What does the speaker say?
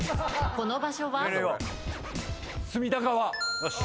この場所は？